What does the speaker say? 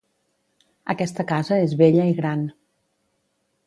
Aquesta casa és vella i gran.